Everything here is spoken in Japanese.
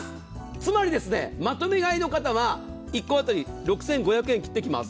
つまり、まとめ買いの方は１個当たり６５００円切ってきます。